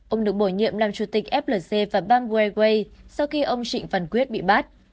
ông được bổ nhiệm làm chủ tịch flc và bamboo airways sau khi ông trịnh văn quyết bị bắt